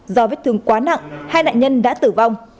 do vết thương quá nặng hai nạn nhân đã tử vong